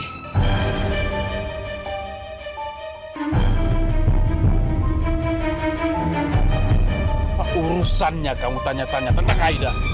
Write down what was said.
urusannya kamu tanya tanya tentang aida